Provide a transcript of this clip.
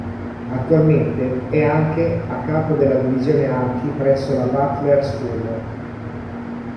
Attualmente è anche a capo della divisione archi presso la Butler School.